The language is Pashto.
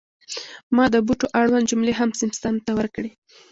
ما د بوټو اړوند جملې هم سیستم ته ورکړې.